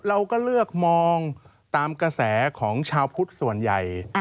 เราก็เลือกมองตามกระแสของชาวพุทธส่วนใหญ่